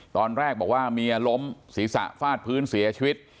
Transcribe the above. ตอนแรกบอกว่าเมียล้มศีรษะฟาดพื้นเสียชีวิต